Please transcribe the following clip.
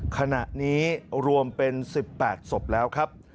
ขณะนี้รวมเป็น๑๘ศพแล้วครับ